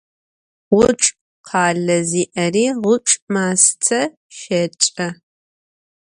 Ğuçç' khale zi'eri ğuçç' maste şeç'e.